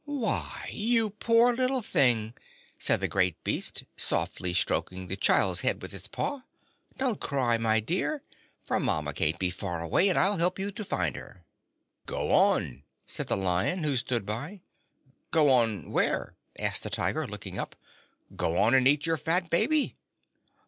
"Why, you poor little thing," said the great beast, softly stroking the child's head with its paw. "Don't cry, my dear, for mamma can't be far away and I'll help you to find her." "Go on," said the Lion, who stood by. "Go on where?" asked the Tiger, looking up. "Go on and eat your fat baby."